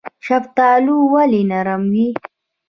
شفتالو ولې نرم وي؟